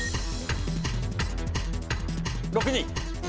６人。